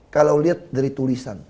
kalau lihat dari tulisan